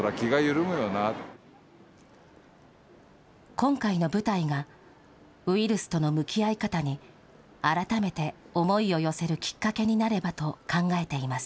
今回の舞台がウイルスとの向き合い方に、改めて思いを寄せるきっかけになればと考えています。